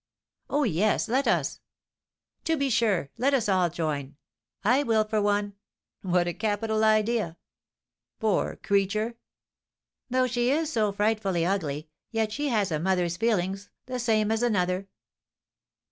"Oh, yes, let us." "To be sure, let us all join!" "I will for one." "What a capital idea!" "Poor creature!" "Though she is so frightfully ugly, yet she has a mother's feelings the same as another."